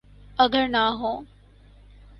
اگر نہ ہوں۔